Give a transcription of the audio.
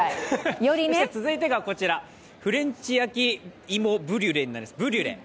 続いてがこちら、フレンチ焼き芋ブリュレになります。